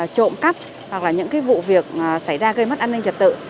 trộm cắp hoặc là những vụ việc xảy ra gây mất an ninh trật tự